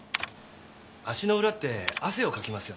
足の裏って汗をかきますよね。